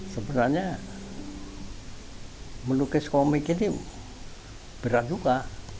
sebenarnya melukis komik ini berat juga